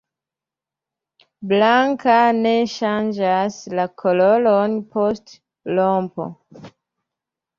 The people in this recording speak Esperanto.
Blanka, ne ŝanĝas la koloron post rompo.